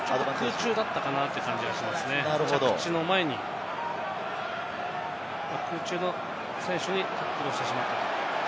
空中だったかなって感じがしましたね、着地の前に空中の選手に行ってしまった。